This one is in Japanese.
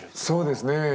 そうですね。